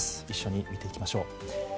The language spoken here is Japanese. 一緒に見ていきましょう。